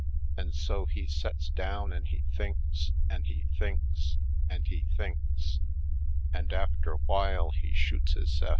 An' so he sets down an' he thinks an' he thinks an' he thinks, and after 'w'ile he shoots hisse'f.